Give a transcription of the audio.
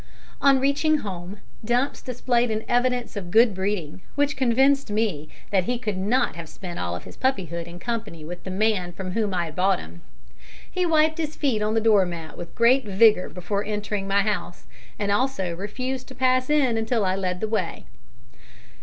On reaching home, Dumps displayed an evidence of good breeding, which convinced me that he could not have spent all his puppyhood in company with the man from whom I had bought him. He wiped his feet on the door mat with great vigour before entering my house, and also refused to pass in until I led the way.